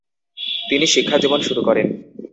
তিনি শিক্ষাজীবন শুরু করেন।